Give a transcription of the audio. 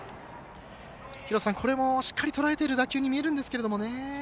これもしっかりととらえている打球に見えるんですけどね。